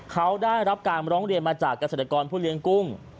เขาได้รับการร้องเรียนมาจากเกษตรกรผู้เลี้ยงกุ้ง